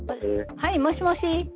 はい、もしもし。